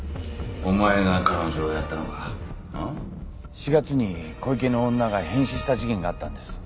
４月に小池の女が変死した事件があったんです。